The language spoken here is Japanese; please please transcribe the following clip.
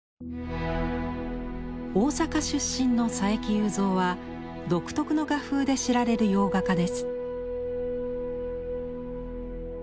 大阪出身の佐伯祐三は独特の画風で知られる洋画家です。